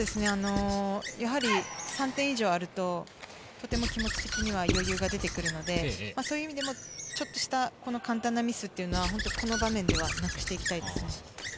３点以上あると、とても気持ち的には余裕が出てくるのでそういう意味でも、ちょっとした簡単なミスっていうのは、この場面ではなくしていきたいです。